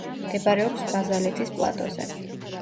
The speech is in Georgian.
მდებარეობს ბაზალეთის პლატოზე.